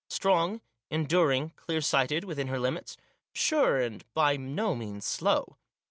Strong, enduring, clear sighted, within her limits ; sure and by no means slow.